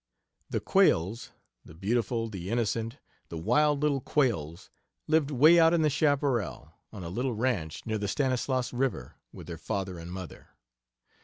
"The 'Quails' the beautiful, the innocent, the wild little Quails lived way out in the Chapparal; on a little ranch near the Stanislaus River, with their father and mother.